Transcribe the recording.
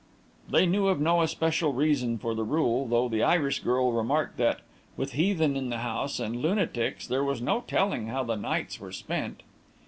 They knew of no especial reason for the rule, though the Irish girl remarked that, with heathen in the house and lunatics, there was no telling how the nights were spent.